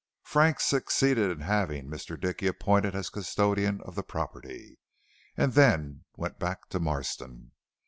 Frank succeeded in having Mr. Dickey appointed as Custodian of the property, then he went back to Marston.